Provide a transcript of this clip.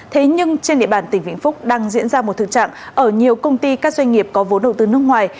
thế nhưng trên địa bàn tỉnh vĩnh phúc đang diễn ra một thực trạng ở nhiều công ty các doanh nghiệp có vốn đầu tư nước ngoài